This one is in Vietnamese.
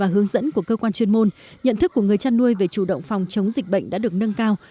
hướng dẫn của cơ quan chuyên môn nhận thức của người chăn nuôi về chủ động phòng chống dịch bệnh đã được nâng cao